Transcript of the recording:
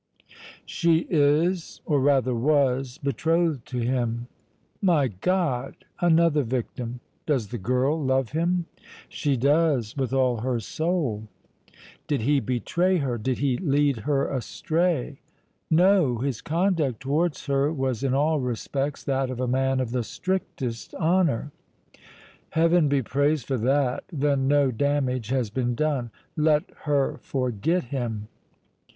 "She is or rather was betrothed to him." "My God! Another victim! Does the girl love him?" "She does, with all her soul!" "Did he betray her, did he lead her astray?" "No; his conduct towards her was in all respects that of a man of the strictest honor." "Heaven be praised for that! Then no damage has been done! Let her forget him!"